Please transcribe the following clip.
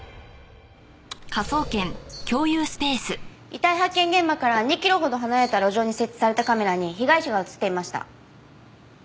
遺体発見現場から２キロほど離れた路上に設置されたカメラに被害者が映っていました。